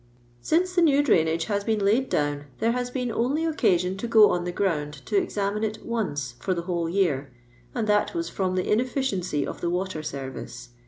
Since the new drainage has been laid down there has been only occasion to go on the ground to examine it once for the whole year, and that was from the inefikiency of the water service.